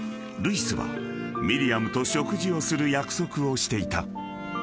［ルイスはミリアムと食事をする約束をしていた］